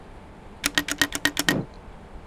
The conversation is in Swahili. ya Mashariki ya Kijerumani Hapo waliweza kutumia